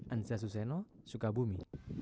anja suseno sukabumi